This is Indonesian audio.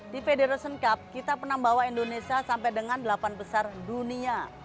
di federation cup kita pernah membawa indonesia sampai dengan delapan besar dunia